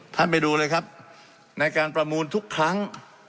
ท่านไปดูเลยครับในการประมูลทุกครั้ง